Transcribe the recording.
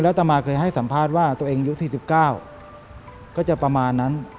ตามาเคยให้สัมภาษณ์ว่าตัวเองอายุ๔๙ก็จะประมาณนั้น